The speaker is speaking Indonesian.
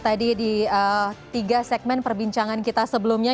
tadi di tiga segmen perbincangan kita sebelumnya